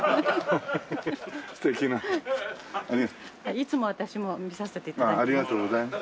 いつも私も見させて頂いてます。